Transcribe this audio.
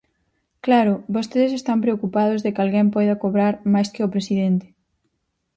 Claro, vostedes están preocupados de que alguén poida cobrar máis que o presidente.